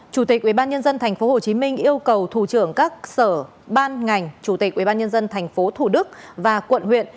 chủ tịch ubnd tp hcm yêu cầu thủ trưởng các sở ban ngành chủ tịch ubnd tp thủ đức và quận huyện